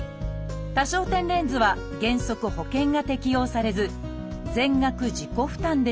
多焦点レンズは原則保険が適用されず全額自己負担でした。